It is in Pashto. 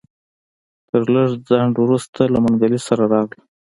تر لږ ځنډ وروسته له منګلي سره راغله.